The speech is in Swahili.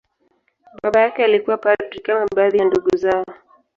Baba yake alikuwa padri, kama baadhi ya ndugu zao.